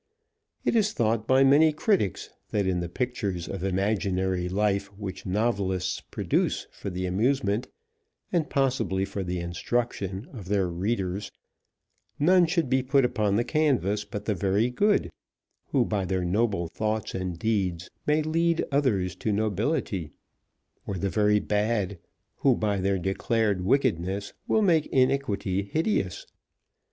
It is thought by many critics that in the pictures of imaginary life which novelists produce for the amusement, and possibly for the instruction of their readers, none should be put upon the canvas but the very good, who by their noble thoughts and deeds may lead others to nobility, or the very bad, who by their declared wickedness will make iniquity hideous.